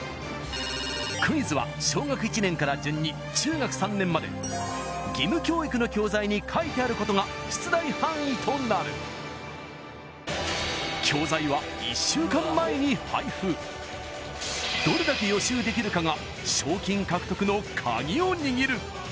クイズは小学１年から順に中学３年まで義務教育の教材に書いてあることが出題範囲となるどれだけ予習できるかが賞金獲得の鍵を握る